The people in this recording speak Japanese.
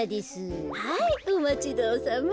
はいおまちどおさま。